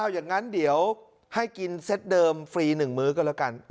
อย่างนั้นเดี๋ยวให้กินเซตเดิมฟรี๑มื้อก็แล้วกัน